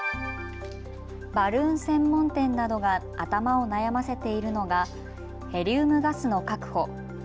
バルーン専門店などが頭を悩ませているのがヘリウムガスの確保。